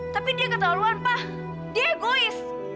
tapi dia ketahuan pa dia egois